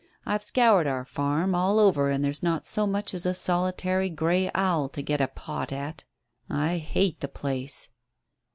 I've scoured our farm all over and there's not so much as a solitary grey owl to get a pot at. I hate the place."